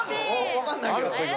わかんないけど。